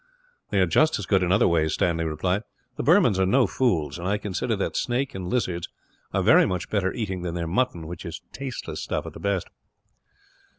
"They are just as good, in other ways," Stanley replied. "The Burmans are no fools, and I consider that snake and lizards are very much better eating than their mutton; which is tasteless stuff, at the best."